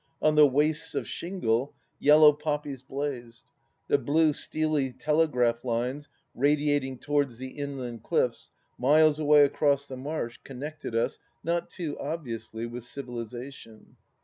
On the wastes of shingle, yellow poppies blazed. The blue steely telegraph lines radiating towards the inland cliffs, miles away across the marsh, connected us, not too obviously, with civilization.